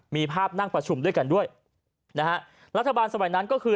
มีภาพนั่งประชุมด้วยกันด้วยนะฮะรัฐบาลสมัยนั้นก็คือ